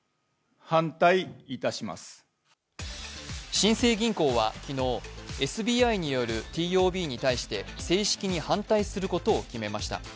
新生銀行は昨日、ＳＢＩによるＴＯＢに対して正式に反対することを決めました。